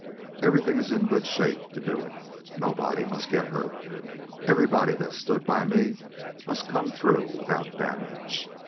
Everything is in good shape to do it. Nobody must get hurt. Everybody that stood by me must come through without damage.